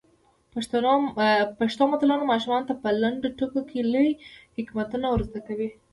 پښتو متلونه ماشومانو ته په لنډو ټکو کې لوی حکمتونه ور زده کوي.